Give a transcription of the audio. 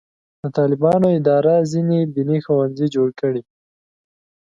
د طالبانو اداره ځینې دیني ښوونځي جوړ کړي.